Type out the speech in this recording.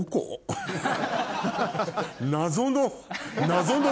謎の。